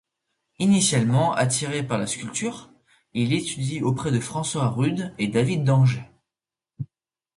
Initialement attiré par la sculpture, il étudie auprès de François Rude et David d'Angers.